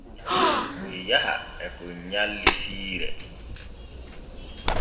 Kon yaha e kon nyalli siire.